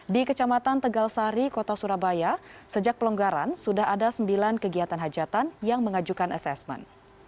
di kecamatan tegal sari kota surabaya sejak pelonggaran sudah ada sembilan kegiatan hajatan yang mengajukan asesmen